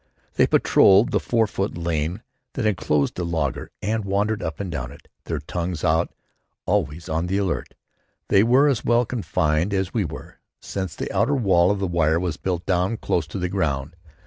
They patrolled the four foot lane that enclosed the laager and wandered up and down it, their tongues out, always on the alert. They were as well confined as we were, since the outer wall of wire was built down close to the ground.